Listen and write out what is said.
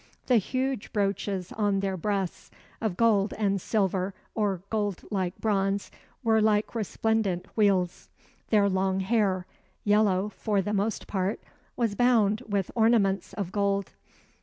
The huge brooches on their breasts, of gold and silver or gold like bronze, were like resplendent wheels. Their long hair, yellow for the most part, was bound with ornaments of gold.